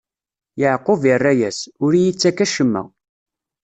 Yeɛqub irra-yas: Ur iyi-ttak acemma.